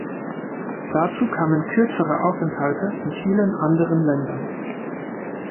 Dazu kamen kürzere Aufenthalte in vielen anderen Ländern.